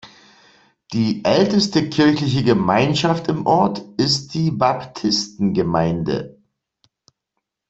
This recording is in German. Die älteste kirchliche Gemeinschaft im Ort ist die Baptistengemeinde.